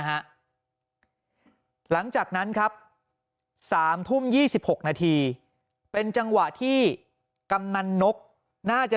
หลังจากนั้นครับ๓ทุ่ม๒๖นาทีเป็นจังหวะที่กำนันนกน่าจะ